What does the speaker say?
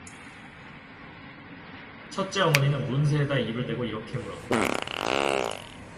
첫째 어머니는 문 새에다 입을 대고 이렇게 물었다.